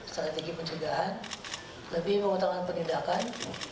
strategi pencegahan lebih mengutamakan penindakan